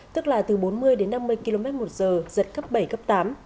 tức là từ bốn mươi đến năm mươi km một giờ giật cấp bảy cấp tám